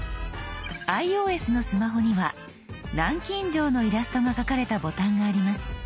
ｉＯＳのスマホには南京錠のイラストが描かれたボタンがあります。